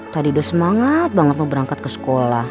tadi udah semangat banget mau berangkat ke sekolah